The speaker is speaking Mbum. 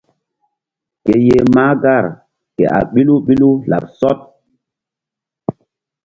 Ke yeh mahgar ke a ɓilu ɓilu laɓ sɔɗ.